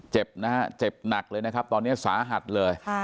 เจ็บนะฮะเจ็บหนักเลยนะครับตอนนี้สาหัสเลย